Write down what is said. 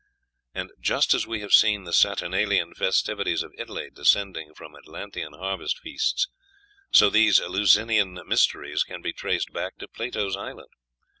And just as we have seen the Saturnalian festivities of Italy descending from Atlantean harvest feasts, so these Eleusinian mysteries can be traced back to Plato's island.